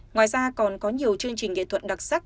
ngoài ra còn có nhiều chương trình nghệ thuật đặc sắc